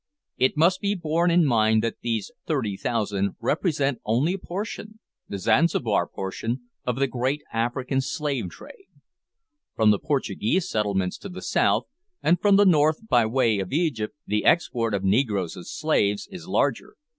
It must be borne in mind that these 30,000 represent only a portion the Zanzibar portion of the great African slave trade. From the Portuguese settlements to the south, and from the north by way of Egypt, the export of negroes as slaves is larger.